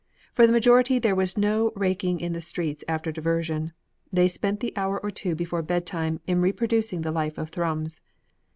For the majority there was no raking the streets after diversion, they spent the hour or two before bed time in reproducing the life of Thrums.